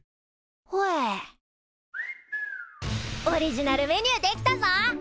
オリジナルメニュー出来たぞ。